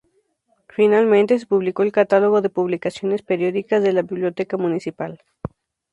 Finalmente, se publicó el catálogo de publicaciones periódicas de la Biblioteca Municipal.